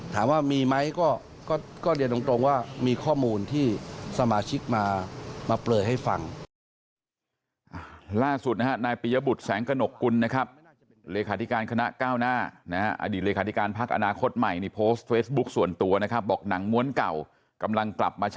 ถามว่ามีไหมก็เรียนตรงว่ามีข้อมูลที่สมาชิกมาเปลยให้ฟัง